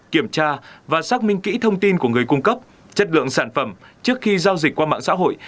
kiểm tra và xác minh kỹ thông tin của người cung cấp chất lượng sản phẩm trước khi giao dịch qua mạng xã hội